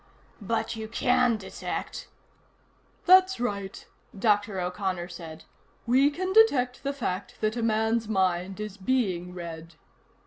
"But you can detect " "That's right," Dr. O'Connor said. "We can detect the fact that a man's mind is being read."